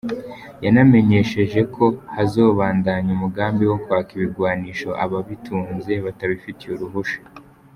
Yanamenyesheje ko hazobandanya umugambi wo kwaka ibigwanisho ababitunze batabifitiye uruhusha.